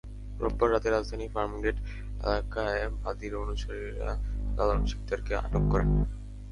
রোববার রাতে রাজধানীর ফার্মগেট এলাকায় বাদীর অনুসারীরা লালন শিকদারকে আটক করেন।